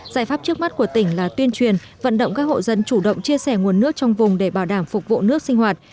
giải pháp trước mắt của tỉnh là tuyên truyền vận động các hộ dân chủ động chia sẻ nguồn nước trong vùng để bảo đảm phục vụ nước sinh hoạt